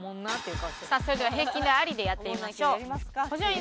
それでは平均台ありでやってみましょう。